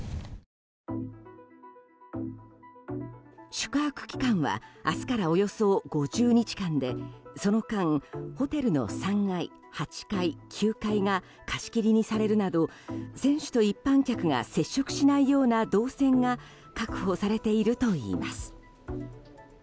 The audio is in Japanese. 宿泊期間は明日からおよそ５０日間でその間、ホテルの３階、８階、９階が貸し切りにされるなど選手と一般客が接触しないような動線が確保されているといいます。